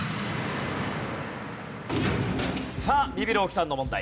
さあビビる大木さんの問題。